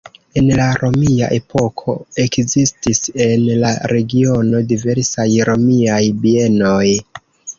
En la romia epoko ekzistis en la regiono diversaj romiaj bienoj.